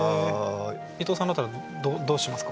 伊藤さんだったらどうしますか？